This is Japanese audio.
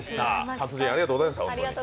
達人、ありがとうございました。